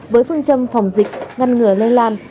với phương châm phòng dịch ngăn ngừa lây lan